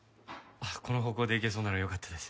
この方向でいけそうならよかったです。